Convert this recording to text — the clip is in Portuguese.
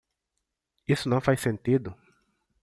Isso não faz sentido?